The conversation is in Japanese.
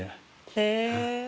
へえ。